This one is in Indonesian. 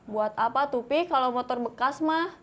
buat apa tuh pi kalau motor bekas mah